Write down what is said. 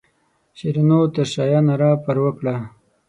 شیرینو تر شایه ناره پر وکړه.